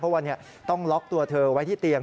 เพราะว่าต้องล็อกตัวเธอไว้ที่เตียง